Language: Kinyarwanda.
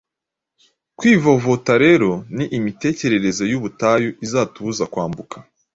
Kwivovota rero ni imitekerereze y’ubutayu izatubuza kwambuka